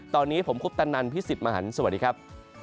ตอนนี้ผมคุปตนันพี่สิทธิ์มหันฯสวัสดีครับ